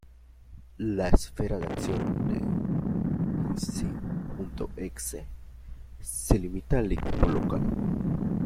La esfera de acción de Sc.exe se limita al equipo local.